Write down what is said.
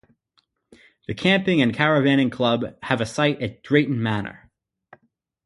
The Camping and cravanning club have a site at Drayton Manor.